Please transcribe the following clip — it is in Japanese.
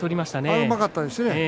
うまかったですね。